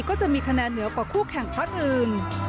ก็จะมีคะแนนเหนือกว่าคู่แข่งพักอื่น